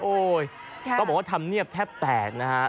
ต้องบอกว่าธรรมเนียบแทบแตกนะฮะ